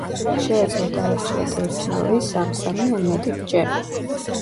შეეძლოთ აერჩიათ ერთი-ორი, სამ-სამი ან მეტი ბჭე.